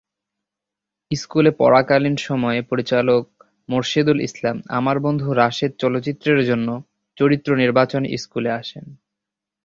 স্কুলে পড়াকালীন সময়ে পরিচালক মোরশেদুল ইসলাম আমার বন্ধু রাশেদ চলচ্চিত্রের জন্য চরিত্র নির্বাচনে স্কুলে আসেন।